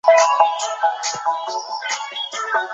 弗莱舍曼已经结婚并且有三个儿子。